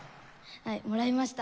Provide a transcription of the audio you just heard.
はいもらいました。